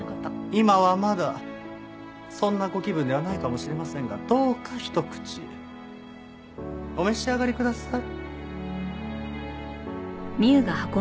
今はまだそんなご気分ではないかもしれませんがどうかひと口お召し上がりください。